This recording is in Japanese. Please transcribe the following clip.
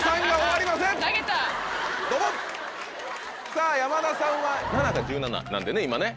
さぁ山田さんは７か１７なんでね今ね。